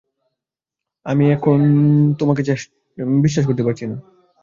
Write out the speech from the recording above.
আমি এখন তোমাকে বিশ্বাস করতে পারছি না।